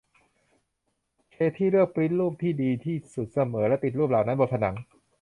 เคธี่เลือกปริ้นท์รูปที่ดีที่สุดเสมอและติดรูปเหล่านั้นบนผนัง